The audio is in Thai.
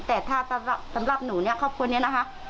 แต่ถ้าสำหรับหนูเนี่ยครอบครัวนี้นะคะ